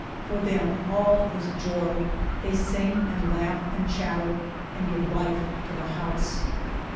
For them all is joy ; they sing and laugh and chatter, and give life to the house.